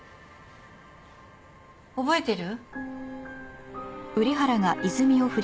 覚えてる？